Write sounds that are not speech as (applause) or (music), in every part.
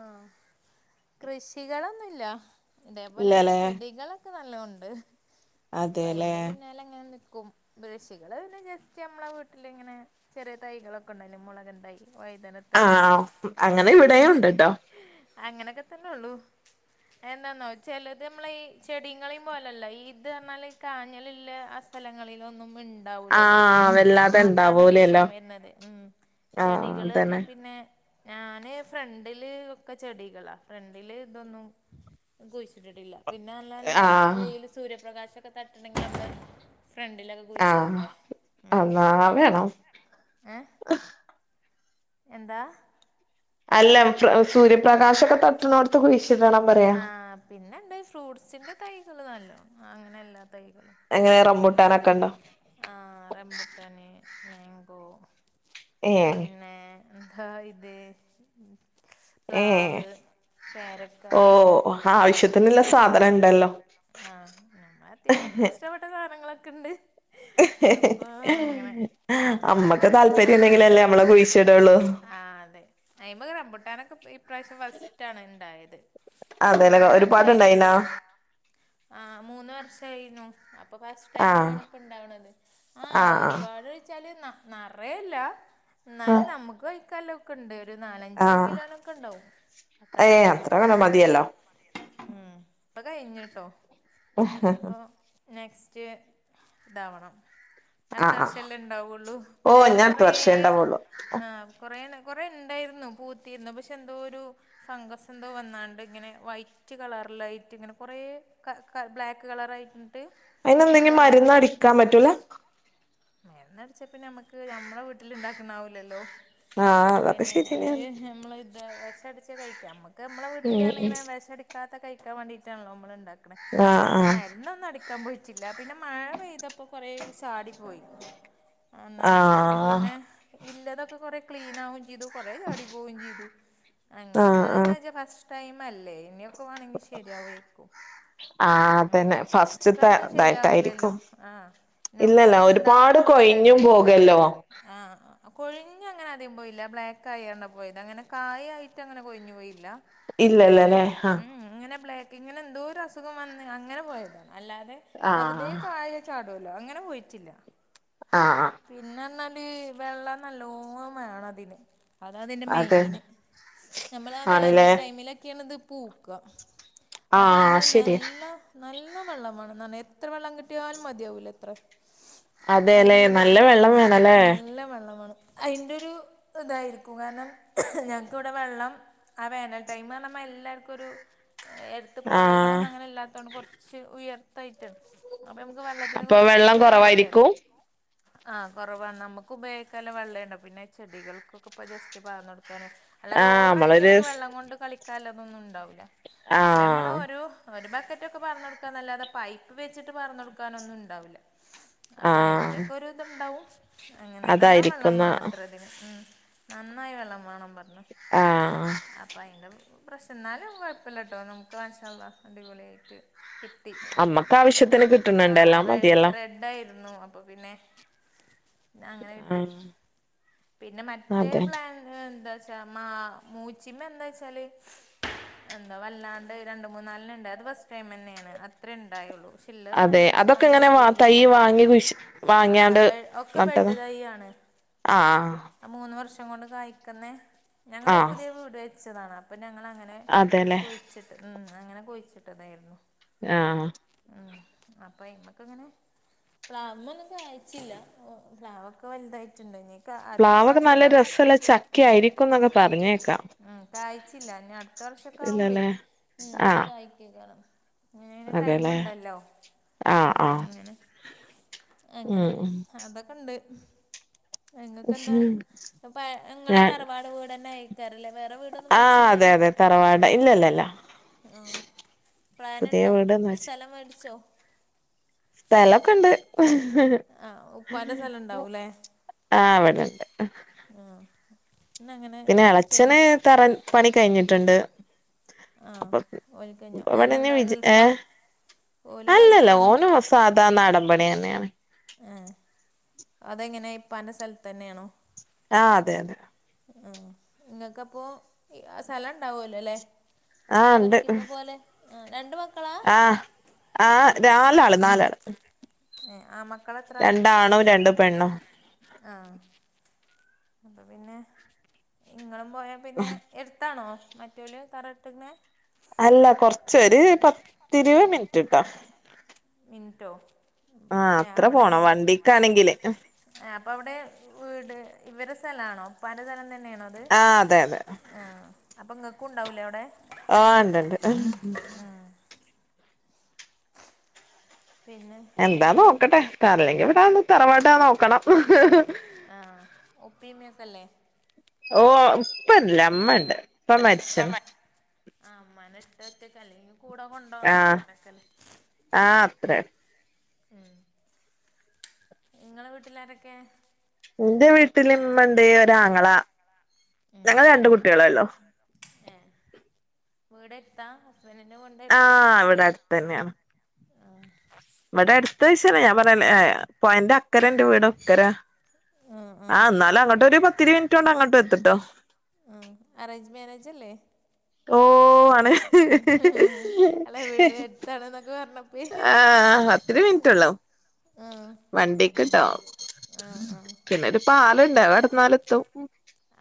ആഹ് കൃഷികളൊന്നുല്ല ഇതേപോലെ ഇങ്ങനെ ഇല്ലല്ലേ ചെടികളു ഇക്ക് നല്ലോണ്ട അപ്പ അതെല്ലേ അയ്ന്റെ പിന്നാലെ അങ്ങനെ നിക്കും. ബൃഷികള് പിന്നെ ജസ്റ്റ് ഞമ്മടെ വീട്ടിലിങ്ങനെ ചെറിയ തൈകളൊക്കെ ഇണ്ടായ്ല്ലെ മുളകിൻ തൈ വയുതന ആഹ് ആഹ് വേപ്പിന്റെലിം അങ്ങനെക്കെ തന്നെ ഒള്ളു എന്താന്നോ ചെലത് അമ്മളെ ഈ ചെടീം കളി പോലല്ലെ ഇത് അറന്നാല് കാഞ്ഞലില്ല അസ് സ്ഥലങ്ങളിലൊന്നും മിണ്ട് ഉണ്ടാവിലല്ലോ ആഹ് വല്ലാതെ അതാണ് ഉണ്ടാവൂലല്ലോ വിഷയം വരുന്നതെ ഉം ആഹ് ചെടികളു വന്നാ അതന്നെ പിന്നെ ഞാന് ഫ്രണ്ടില് ഒക്കെ ചെടികളാ ഫ്രണ്ടില് ഇതൊന്നും കുഴിച്ചിട്ടിട്ടില്ല പിന്നല്ലാലല്ല ആഹ് വെയിലു സൂര്യപ്രകാശൊക്കെ തട്ടണെങ്കി ഫ്രണ്ടിലൊക്കെ ആഹ് കുഴിച്ചിടണ്ടേ ഉം അള്ളാ വേണം ഏഹ് എന്താ അല്ല സൂര്യപ്രകാശൊക്കെ തട്ടുന്നോട്ത്ത് കുഴിച്ചിടണം പറയാ പിന്നെ എന്താ ഫ്രൂട്ട്സിൻ്റെ തൈകൾ നല്ലോം അങ്ങനെ എല്ലാ തൈകളും എങ്ങനെ കൊറച്ചീചൊക്കെ റംബൂട്ടാനൊക്കെ ഉണ്ടോ ആ റംമ്പുട്ടാന് മാങ്കോ ഏഹ് പിന്നെ എന്താ ഇത് ഏഹ് പ്ലാവ് വ് 'പേരക്ക ആ ആവശ്യത്തിനുള്ള സാധനം ഉണ്ടല്ലോ ഇഷ്ടപ്പെട്ട സാനങ്ങളൊക്കെണ്ട് അപ്പൊ അങ്ങനെ അതൊക്കെ ഇപ്പൊ അമ്മക്ക് രണ്ട് താല്പര്യം മൂന്നാല് ഉണ്ടെങ്കിലല്ലേ വർഷം നമ്മള് കുഴിച്ചിടുള്ളൂ ആ അതെ അയിമ റംമ്പുട്ടാനൊക്കെ ഇപ്രാവശ്യം ഫസ്റ്റ് ആണ് ണ്ടായത് അതെനെ ഒരു ആയിറ്റൊള്ളു ആ മൂന്ന് വർഷായീനു അപ്പോൾ ഫസ്റ്റ് ടൈം ആഹ് ആണ് ഇപ്പോൾ ഉണ്ടാവുണത് ആ ആഹ് ഒരുപാട് വെച്ചാല് ന്ന നിറയെല്ല എന്നാലും ആഹ് നമുക്ക് കഴിക്കാല്ലൊ ഉണ്ട് ഒരു നാലഞ്ച് ആഹ് കിലോനൊക്കെ ഉണ്ടാവും അത്രൊക്കെ ഇണ്ടായിനി അത് മതിയല്ലോ ഉം ഇപ്പൊ കഴിഞ്ഞിട്ടോ ഇനിപ്പോ നെക്സ്റ്റ് ഇണ്ടവണം അടുത്ത ആഹ് ആഹ് വർഷല്ലേ ഉണ്ടാവുള്ളൂ ഓ പിന്നെ അതില് ഞാൻ കുറേ അടുത്ത വർഷേ ഉണ്ടാവുള്ളു ആ കൊറെേ കൊറെേ ഉണ്ടായിരുന്നു പൂത്തിരുന്നു പക്ഷെ എന്തോ ഒരു ഫംഗസ് എന്തോ വന്നാണ്ട് ഇങ്ങനെ വൈ റ്റ് കളറ്ലായിറ്റ് ഇങ്ങനെ കുറെ ബ്ലാക്ക് കളറ്ലായിട്ട് അതിന് എന്തെങ്കും മരുന്ന് അടിക്കാൻ പറ്റൂല മരുന്നടിച്ചാപ്പ നമ്മക്ക് നമ്മടെ വീട്ടിൽ ഇണ്ടാക്കണത് ആവൂലല്ലോ ആഹ് അപ്പൊ അതൊക്കെ പിന്നെ ശരിയന്നെയാണ് നമ്മൾ ഇത് വിഷം അടിച്ച് കഴിക്ക നമ്മക്ക് നമ്മളെ വീട്ടില് ഇങ്ങനെ വിഷം അടിക്കാത്ത കഴിക്കാൻ വേണ്ടീട്ടാണല്ലോ നമ്മള് ഉണ്ടാക്കണേ ആഹ് അന്നൊന്നും അടുക്കാൻ പോയിട്ടില്ല പിന്നെ മഴ പെയ്തപ്പോ കൊറേ ചാടി പോയി എന്നാ ആഹ് ആഹ് പിന്നെ ഇല്ലതൊക്കെ കൊറേ ക്ലീൻ ആവുകയും ചെയ്തു കൊറെ ചാടി പോവുകയും ചെയ്തു ആഹ് ആഹ് ആഹ് ടൈമല്ലേ ഇനിയൊക്കെ വേണമെങ്കി ശരിയാവേക്കും ആ അതന്നെ ഫസ്റ്റ്ത്തെ ഒക്കൊന്നും ശരിയാവൂലല്ലോ ഇതായിട്ടായിരിക്കും ആഹ് ഇല്ലല്ല ഒക്കൊന്നും ഒരുപാട് ഇണ്ടാവണതൊന്നും കൊഴിഞ്ഞും കിട്ടില്ലല്ലോ പോകല്ലോ ആ കൊഴിഞ്ഞ് അങ്ങനെ ആദ്യം പോയില്ല ബ്ലാക്ക് ആയികാണ്ടാ പോയത് അങ്ങനെ കായായിട്ട് അങ്ങനെ കൊഴിഞ്ഞു പോയില്ല പിന്നെ ഇല്ലല്ലല്ലേ ആഹ് ഉം ഇങ്ങനെ ബ്ലാക്ക് ഇങ്ങനെ എന്തോ ഒരു അസുഖം വന്ന് അങ്ങനെ പോയതാണ് അല്ലാതെ വെറുതെ ആഹ് കായ ചാടൊല്ലോ അങ്ങനെ പോയിട്ടില്ല ആഹ് ആ പിന്നെന്നാല് വെള്ളം നല്ലോം വേണം അതിന് അതാ അതിന്റെ അതെ മെയിന് നമ്മളാ വേനൽ ആണല്ലേ ടൈമിലൊക്കെയാണ് ഇത് പൂക്കാ ആ ആഹ് ടൈമില് ശരിയാ നല്ലം നല്ലം വെള്ളം വേണം എത്ര വെള്ളം കിട്ടിയാലും മതിയാവൂലത്രെ അതേലെ നല്ലം വെള്ളം വേണല്ലേ നല്ലം വെള്ളം വേണം അതിന്റെ ഒരു ഇതായിരിക്കും കാരണം ഞങ്ങക്കിവിടെ വെള്ളം ആ വേനൽ ടൈമിൽ നമ്മ എല്ലാർക്കും ഒരു അടുത്ത് ആഹ് പുഴകളൊന്നും അങ്ങനെ ഇല്ലാത്തതോണ്ട് കൊറച്ച് ഉയരത്തായിട്ടാണ് അപ്പൊ നമുക്ക് വെള്ളത്തിന് അപ്പൊ വെള്ളം കൊറച്ച് കുറവായിരുന്നു കുറവായിരിക്കും ആ കുറവാണ് നമ്മുക്ക് ഉപയോഗിക്കാല്ല വെള്ളേ ഉണ്ടാവൊള്ളൂ പിന്നെ ചെടികൾക്കൊക്കെ ഇപ്പൊ ജസ്റ്റ് പാർന്ന് കൊടുക്കാനും അല്ലാതെ ആഹ് ഓവറായിയിട്ട് നമ്മളൊരു നമുക്ക് വെള്ളം കൊണ്ട് കളിക്കാല്ലതൊന്നും ഉണ്ടാവില്ല അപ്പ നമ്മള് ആഹ് ഓരോ ഒരു ബക്കറ്റൊക്കെ പാർന്ന് കൊടുക്കാന്നല്ലാതെ പൈപ്പ് വെച്ചിട്ട് പാർന്ന് കൊടുക്കാനൊന്നും ഉണ്ടാവില്ല അപ്പ ആഹ് അയിന്റെക്കെ ഒരുതുണ്ടാവും അങ്ങനെ നല്ല വെള്ള അതായിരിക്കുന്ന വേണംത്ര. മ് നന്നായി വെള്ളം വേണം പറഞ്ഞു ആഹ് അപ്പ അയിന്റെ പ്രശ്ന ന്നാലും കുഴപ്പല്ലട്ടോ നമുക്ക് മാഷാ അല്ലാഹ് അടിപൊളിയായിട്ട് കിട്ടി അമ്മക്ക് ആവശ്യത്തിന് ആ കിട്ടുന്നുണ്ട് എല്ലാം റെഡ് മതിയല്ലോ റെഡായിരുന്നു അപ്പൊ പിന്നെ പിന്ന അങ്ങനെ കിട്ടി ആഹ് പിന്നെ മറ്റേ അതെ പ്ലാ എന്താച്ചാ മാ മൂച്ചിമ്മ എന്താച്ചാല് എന്താ വല്ലാണ്ട് രണ്ട മൂന്നലണ്ണംണ്ട് അത് ഫസ്റ്റ് ടൈംന്നെയാണ് അത്രേണ്ടായുള്ളൂ. ഇല്ലം അതെ നല്ല അതൊക്കെ നല്ല ഇങ്ങനെ വാ അടിപൊളി സാന (unintelligible) ആ ഒക്കെ ബെഡ് നട്ടതാ തൈ ആണ്. ആഹ് ആ മൂന്ന് വർഷം കൊണ്ട് കായക്കുന്ന ഞങ്ങള് ആഹ് പുതിയ വീട് വെച്ചതാണ് അപ്പൊ ഞങ്ങളങ്ങനെ അതെല്ലേ കൊഴിച്ചിട്ട് മ് അങ്ങനെ കുഴിച്ചിട്ടതായിരുന്നു. ആഹ് മ് അപ്പൊ അയ്മക്കങ്ങനെ പ്ലാ വായിച്ചില്ല പ്ലാവോക്കെ വലുതായിട്ടുണ്ടയ്നി. അടുത്ത പ്ലാവൊക്കെ നല്ല പ്രാവശ്യക്കൊക്കെ രസള്ള ചക്ക ആയിരിക്കും എന്നൊക്കെ പറഞ്ഞേക്കാം കായ്ച്ചില്ല അടുത്ത വർഷ കാവുമ്പോ ഇല്ലല്ലേ മ് ആഹ് കായ്ക്കെയ്കാരം. അങ്ങനെങ്ങനെ അതെല്ലേ ടൈമുണ്ടല്ലോ ആഹ് അപ്പോ ആഹ് അങ്ങനെ ഉം അങ്ങനെ അതൊക്കെ ഇണ്ട്. ങ്ങൾക്ക് എന്താ ഉം പയ് ഇങ്ങളെ ഞാൻ തറവാട് വീട്ന്നെ ആയി തരല്ലേ വേറെ വീടൊന്നും ആഹ് അതെ വെച്ചില്ലല്ലോ? അതെ തറവാട് ഇല്ലല്ലല്ല പുതിയ പ്ലാനുണ്ടോ വീട്ന്ന് സ്ഥലം മേടിച്ചോ സ്ഥലൊക്കെണ്ട്. ആഹ് ഉപ്പാന്റെ സ്ഥലം ഉണ്ടാവൂല്ലേ ആ അവടെണ്ട് ആഹ് ഇന്ന അങ്ങനെ പിന്നെ ചെയ്ത് എളച്ചന് തറ പണി കഴിഞ്ഞിട്ടുണ്ട്. ആഹ് അപ്പ ഓൽക്കഞ്ഞ (unintelligible) ഓലെന്താ വിജ ഗൾഫാ ഏഹ് ഓല് അല്ലല്ല ഗൾഫാണോ ഓന് വസ സാധാ നാടമ്പണിന്നെയാണ്. ഏഹ് അതെങ്ങനെ ഇപ്പാന്റെ സ്ഥലത്തന്നെയാണോ? ആഹ് അതെ അതെ. ആ ഇങ്ങക്കപ്പോ സ്ഥലം ഇണ്ടാവുല്ലോല്ലേ ആഹ് ഉണ്ട് അവരിക്കിള്ള പോലെ ആ രണ്ട് മ ആഹ് ആഹ് നാലാള് നാലാള്. ആണ് മക്കളെത്രാ രണ്ടാണും രണ്ട് പെണ്ണും ആഹ് അപ്പ പിന്നെ ഇങ്ങളും പോയാൽ പിന്നെ എടുത്താണോ മറ്റോല് തറ ഇട്ട്ക്കണെ അല്ല കൊറച്ചൊര് പത്തിരുവത് മിനിറ്റ് ട്ടാ മിനിറ്റോ ആഹ് ഏഹ് അത്ര പോണം അവിടാണോ വണ്ടിക്കാണെങ്കില് ആ അപ്പൊ അവിടെ വീട് ഇവരെ സ്ഥലാണോ ഉപ്പന്റെ സ്ഥലം തന്നെയാണോ ആഹ് അതെ അതെ. ആആ അപ്പം ഇങ്ങക്കും ഉണ്ടാവുല്ലേ അവിടെ ആഹ് ഉണ്ട്ണ്ട്. പിന്നെ എന്താ വേറെന്താ നോക്കട്ടെ തറല്ലെങ്കി ഇവിടെ തറവാട്ടാന്ന് നോക്കണം ആ ഉപ്പി ഇമ്മക്കല്ലേ ഓ ഇപ്പല്ല മ്മണ്ട് ഇപ്പ മരിച്ചതാ ആ ഉമ്മാനെ (unintelligible) അല്ലെങ്കിൽ കൂടെ കൊണ്ടോണം അങ്ങനൊക്കെ അല്ലേ ആ അത്രേ ഉം ഇങ്ങളെ വീട്ടിലാരൊക്കെയാ ന്റെ വീട്ടില ഇമ്മണ്ട് ഒരു ആങ്ങള, ഞങ്ങൾ രണ്ട് കുട്ടികളള്ളൂ. ഏ വീടെടുത്താ? വെരിന്ന മണ്ട. ആഹ് ഇവിടെ അടുത്ത് തന്നെയാണ്. വടെ എടുത്തന്ന് വെച്ച ഞൻ (unintelligible) പോയന്റെ അക്കരന്റ എന്റെ അക്കരന്റെ, വീട ഒക്കര ആഹ് ആ.. ആഹ് എന്നാലും അങ്ങോട്ട് ഒരു പത്തിരു മിന- പോണ്ട് അങ്ങോട്ടും എത്തിട്ടോ. ആഹ് അറേഞ്ച് മേരേജ് അല്ലേ? ഓഹ് ആണ്... അനുനൊക്കെ പറഞ്ഞപ്പോ- ആഹ് പതിരുമ്മിനിറ്റ്ള്ളൂ ആഹ് വണ്ടിക്ക് ഇട്ടോ. ആഹ് ആഹ് പിന്നെ ഒരു പാലൻഡ് വടന്നാല് എത്തും.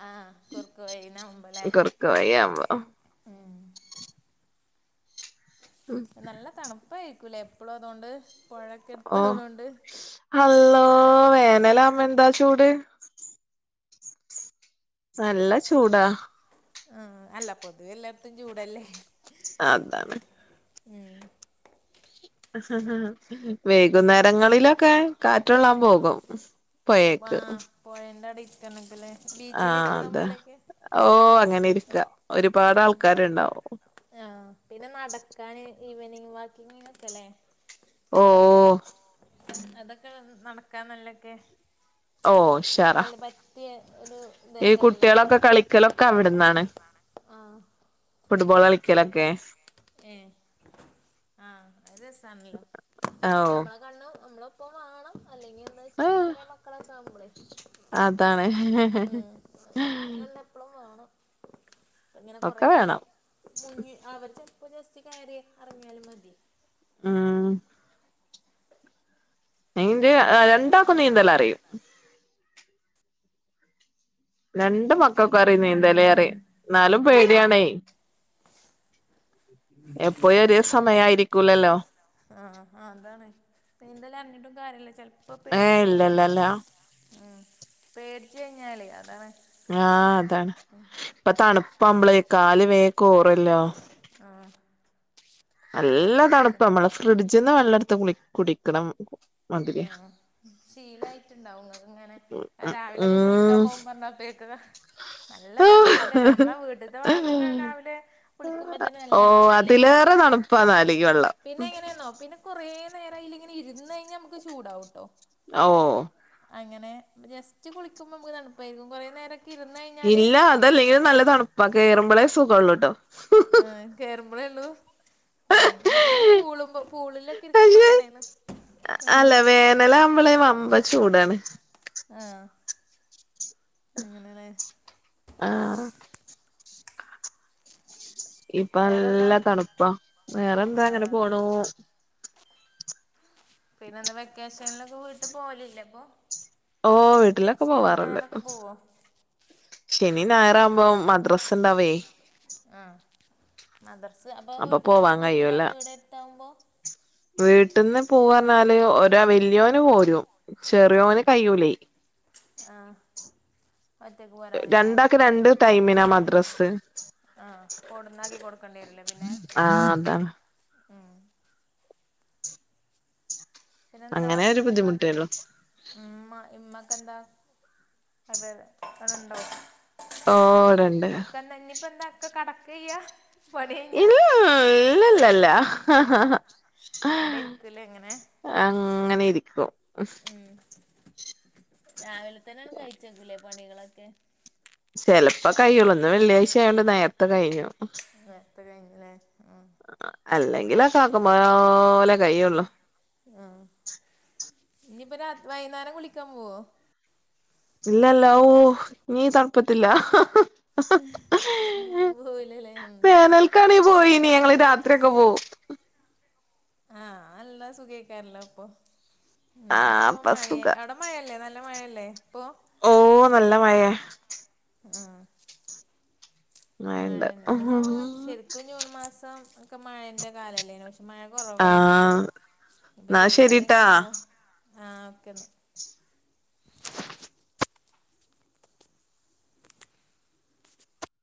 ആഹ് കുറുക്ക വഴനവുമ്പലേ? കുറുക്കുവായിയകുമ്പോ. ഉം... നല്ല തണുപ്പായിരിക്കൂല്ലേ എപ്പോഴും അതോണ്ട്. ഓഹ് അല്ലോ വേനലാകുപ്പോ എന്താ ചൂട്. നല്ല ചൂടാ.. ആഹ് അല്ല പൊതുവെ എല്ലാർത്തും ചൂടല്ലേ. ആഹ് അതാണ്. ഉം.. വൈകുന്നേരങ്ങളിലൊക്കെ കാറ്റള്ളാൻ പോകും. വ് പൊഴേക്ക് പോയന്റെ അടക്കണക്കല്ലേ. ആഹ് അതെ ഓഹ് അങ്ങനെ ഇരിക്ക, ഒരുപാട് ആൾക്കാരുണ്ടാവും. ആഹ് പിന്നെ നടക്കാൻ ഈവനിങ് വാക്കിങ്ങ ഒക്കെല്ലേ? ഓ അതൊക്കെ അതൊക്കെ നടക്കാ നല്ലൊക്കെ. ഓ ഉഷാറാ അല്ല പറ്റിയ ഒരു ഇത ഈ കേക്കാറല്ലേ? കുട്ടികളൊക്കെ കളിക്കലൊക്കെ അവിടുന്നാണ് ആഹ്.. ഫുട്ബോൾ ആളിക്കിലൊക്കെ. ഏഹ് ആഹ് അത് രസണല്ലോ, ഓ ശമ്പള- കണ്ണും നമ്മളിപ്പം വേണം, അല്ലെങ്കിൽ എന്താ വെച്ചാ ആ ചെറിയ, മക്കളൊക്കെ ആവുപോയ്- അതാണ്.. അപ്പളും വേണം ഇങ്ങനെ ഒക്കെ കുറേ- വേണം മുങ്ങി ആളവരിച്ച്- ഇപ്പോ ജസ്റ്റ്‌ കയറി അറമയാൽ മതി. ഉം.. ഇന്റെ രണ്ടാക്കും നീന്തല്ല അറിയും. രണ്ട് മക്കൾക്കെ അറിയ ആഹ് നീന്തലേറി എന്നാലും പേടിയണേ. എപ്പോഴും ഒരേ സമയയിരിക്കൂലല്ലോ. ആഹ് അതാണ് നിന്തലും- അറിഞ്ഞിട്ടും കാര്യല്ല ചെപ്പോ- ഏഹ് പേടിച്ച കഴിഞ്ഞാല്- ഇല്ലല്ലല്ല ഉം പേടച്ച് കഴിഞ്ഞാല്, അതാണ്. ആഹ് അതാണ്, ഇപ്പോ തണുപ്പാവമ്പള കാല് വേകൊരല്ലോ. ആഹ്... നല്ല തണുപ്പ നമ്മളെ ഫ്രിഡ്ജ്ന്ന് വല്ലടത്ത് കുളി കുടിക്കണം മതിരിയ. ശീലായിട്ടുണ്ടാവുംങ്ങക്ക് ഇങ്ങനെ, രാവിലെയ ഒക്കെ കുളിക്കാൻ ഉം പോകൻ പറഞ്ഞപ്പേക്ക- നല്ല തണുപ്പില്ലേ നമ്മളെ വീട്ടത്തെ വളം തന്നെയ രാവിലെ- കുളിക്കുമ്പോത്തന്നെ നല്ല ഒഹ് തണുപ്പല്ലേ അതിലേറെ തണുപ്പാ നാലക്ക് വെള്ളം- പിന്നെ എങ്ങനെയാണോ പിന്നെ- കുറേ നേരം അതിൽ ഇരുന്നു കഴിഞ്ഞാൽ നമുക്ക് ചൂടാവൂട്ടോ? ഓഹ്... അങ്ങനെ ജസ്റ്റ് കുളിക്കുമ്പോ- നമുക്ക് തുപ്പായിരിക്കും കുറേ നേര- കിരുന്ന- ഇല്ല അതല്ലെങ്കിലും നല്ല തണുപ്പാക്ക കേറുമ്പോളേ സുഖമ ഉള്ളൂ കേട്ടോ ആഹ് കേയറുമ്പയ ഉള്ളൂ ഉം നമ്മള് പൂള്മ്പോ പൂളിലൊക്കെ ഇരിക്കുമ്പോ പക്ഷെ അങ്ങനെയാണ് ആഹ്. ഇന്നലെ ഞമ്മള് വമ്പ ചൂടാണ്. ആഹ് (unintelligible) ആഹ ഇപ്പ വേറെന്താ നല്ല തണുപ്പാ വേറെന്താ അങ്ങനെ ആഹ് പോണൂ. പിന്നെ എന്താ വെക്കേഷനിലൊക്കെ വീട്ട് പോകലില്ലെ അപ്പൊ. ഓ വീട്ടിലൊക്കെ ശനി പോവാറുണ്ട്. ഞായറൊക്കെ പോവോ ശനിയും ഞായറാകുമ്പോ മദ്രസ ഉണ്ടാവേ. ആഹ മദർസ് അപ്പൊ വീട്ടിൽന്ന് പോകാൻ പറ്റൂല വീട് അടുത്താവുമ്പോ വീട്ടിന്ന് പോവർന്നാല് ഒരാ വല്ലിയോന് പോരും. ചെറിയോന് കയിയുലേ. ആഹ് ഒറ്റക്ക് പോരാനല്ലേ രണ്ടാക്ക് രണ്ട് ടൈമിനാ (unintelligible) മദ്രസ് ആഹ് കൊണ്ടന്നാക്കി കൊടുക്കേണ്ടി വരുല്ലെ പിന്നെ. ആഹ് അതാ പിന്നെന്താ അങ്ങനെ ഒരു ഇബലൊക്കെ ബുദ്ധിമുട്ടേള്ളു മ്മ ഇമ്മക്കന്താ. അതെ ഓ ഇവിടെണ്ട് (unintelligible) ഇനിപ്പോ എന്താ ഇപ്പോ കടക്കയാ പണി കഴിഞ്ഞാ. അല്ലല്ലാ. ഹ ഹ അവിടെ ഇരിക്കൂലേ ഇങ്ങനെ അങ്ങനെ ഇരിക്കും. ഉം രാവിലെ തന്നെ അങ്ങ് കഴിച്ചേക്കൂലെ പണികളൊക്കെ. ചെലപ്പോ കയ്യോളു ഇന്ന് വെള്ളിയാഴ്ച ആയോണ്ട് നേരത്തെ കഴിഞ്ഞു. നേരത്തെ കഴിഞ്ഞുല്ലേ. ഉം അല്ലെങ്കിലൊക്കെ ആക്കമ്പോലെ കയ്യുള്ളു. ആഹ് ഇനിയിപ്പൊ രാത്രി വൈകുന്നേരം കുളിക്കാൻ പോവോ. ഇല്ലല്ല ഓ ഇനീ തണുപ്പത്തില്ല. ഇനിയിപ്പോ പോവില്ലല്ലേ ഉം വേനൽക്കാണി അല്ല പോയിനി ഞങ്ങള് രാവിലെ കുളിച്ച് രാത്രിയൊക്കെ പോവും. ആഹ് നല്ല സുഖെക്കാരല്ലോ ഇപ്പോ. ഉം. ആ ഇനി ഇപ്പൊ അപ്പൊ മഴയായി സുഖ അ ഇപ്പോ നല്ല മഴയല്ലേ ഇപ്പൊ ഓ നല്ല മഴയാ. ആഹ് മഴണ്ട് മഴനെ ഇനി മോ ശരിക്കും ജൂൺ മാസം ഒക്കെ മഴന്റെ കാലല്ലല്ലോ. മഴ ആ കുറവായിരുന്നു. ഇപ്പൊ എന്നാ ജൂലൈ ശരിട്ടാ എങ്ങനെയാവോ. ആഹ് ഒക്കെയെന്ന